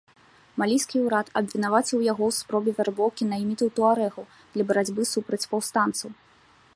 Малійскі ўрад абвінаваціў яго ў спробе вярбоўкі наймітаў-туарэгаў для барацьбы супраць паўстанцаў.